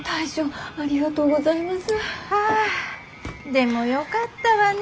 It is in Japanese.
でもよかったわね